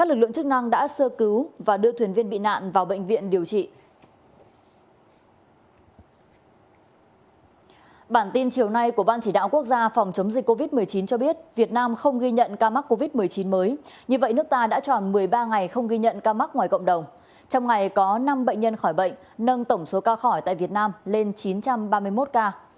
trong ngày có năm bệnh nhân khỏi bệnh nâng tổng số ca khỏi tại việt nam lên chín trăm ba mươi một ca